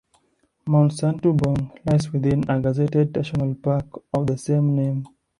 Mount Santubong lies within a gazetted national park of the same name.